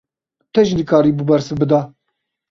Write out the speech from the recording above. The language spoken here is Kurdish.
Te jî nikaribû bersiv bida!